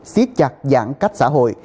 xiết chặt giãn cách xã hội